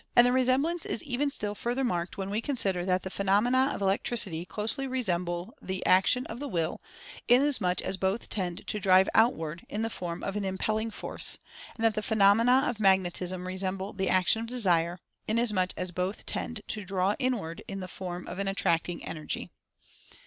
And the resemblance is even still further marked when we consider that the phenomena of Electricity closely re semble the action of the Will, inasmuch' as both tend to drive outward in the form of an Impelling Force; and that the phenomena of Magnetism resemble the 50 Mental Fascination action of Desire, inasmuch as both tend to draw in ward in the form of an Attracting Energy.